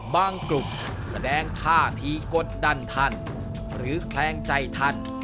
กลุ่มแสดงท่าทีกดดันท่านหรือแคลงใจท่าน